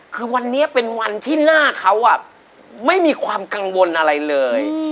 คือวันนี้เป็นวันที่หน้าเขาไม่มีความกังวลอะไรเลย